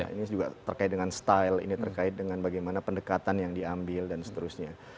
ini juga terkait dengan style ini terkait dengan bagaimana pendekatan yang diambil dan seterusnya